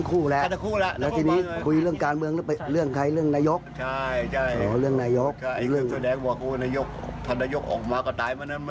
กลับไปแล้วไปตามพวกมา